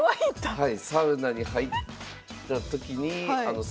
はい。